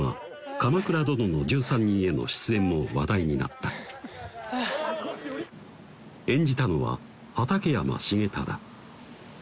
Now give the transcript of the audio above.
「鎌倉殿の１３人」への出演も話題になった演じたのは畠山重忠